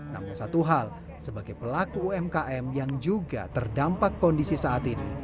namun satu hal sebagai pelaku umkm yang juga menargetkan